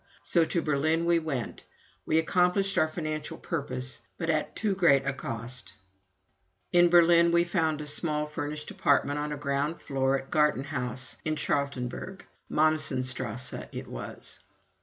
So to Berlin we went. We accomplished our financial purpose, but at too great a cost. In Berlin we found a small furnished apartment on the ground floor of a Gartenhaus in Charlottenburg Mommsen Strasse it was.